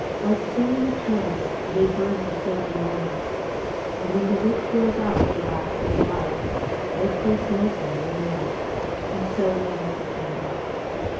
Like so many candles they burn for so many moments. , And when the wick flares out the last bit of life, their place knows them no more. And so ends the candle.